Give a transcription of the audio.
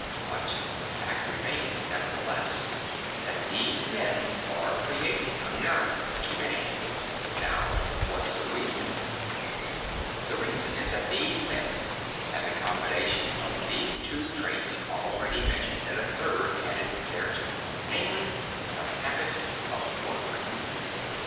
But the fact remains nevertheless that these men are creating America to day. Now, what's the reason? The reason is that these men have a combination of the two traits already mentioned and a third added thereto; namely, the habit of work.